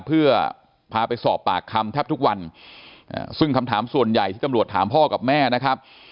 เพื่อพาไปสอบปากคำแทบทุกวันซึ่งคำถามส่วนใหญ่ที่ตำรวจถามพ่อกับแม่นะครับ